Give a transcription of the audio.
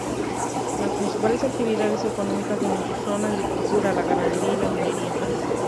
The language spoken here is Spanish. Las principales actividades económicas del municipio son la agricultura, la ganadería, la minería.